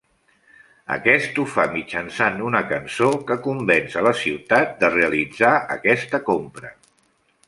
Aquest ho fa mitjançant una cançó, que convenç a la ciutat de realitzar aquesta compra.